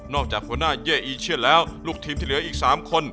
จากหัวหน้าเย่อีเชียนแล้วลูกทีมที่เหลืออีก๓คน